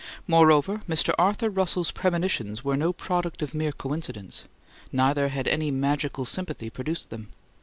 Moreover, Mr. Arthur Russell's premonitions were no product of mere coincidence; neither had any magical sympathy produced them.